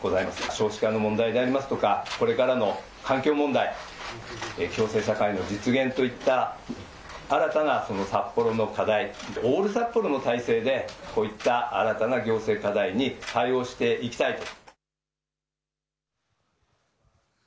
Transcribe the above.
少子化の問題でありますとか、これからの環境問題、共生社会の実現といった新たな札幌の課題、オール札幌の体制で、こういった新たな行政課題に対応していきたいと。